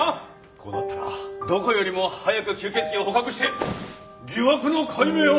こうなったらどこよりも早く吸血鬼を捕獲して疑惑の解明を。